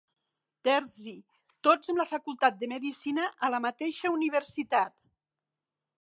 Terzi, tots amb la Facultat de Medicina a la mateixa universitat.